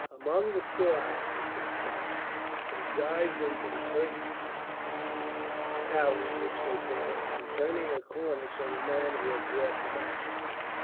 "Among the storehouses," said Trench. They dived into the first alley which they passed, and turning a corner saw the man who had brought the matches.